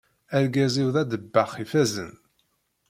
Argaz-iw d aḍebbax ifazen.